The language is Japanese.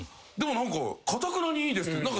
でもかたくなにいいですって。